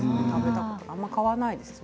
あまり買わないです。